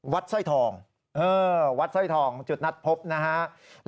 วัดส้อยทองจุดนัดพบนะครับ